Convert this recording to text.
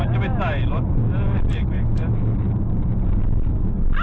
อย่าไปทำให้คนอื่นก็เดือดร้อนแล้วนะครับ